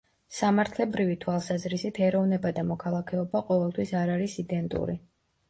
სამართლებრივი თვალსაზრისით, ეროვნება და მოქალაქეობა ყოველთვის არ არის იდენტური.